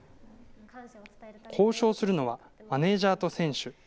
交渉するのはマネージャーと選手。